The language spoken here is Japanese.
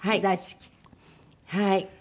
はい。